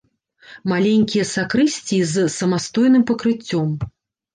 Маленькія сакрысціі з самастойным пакрыццём.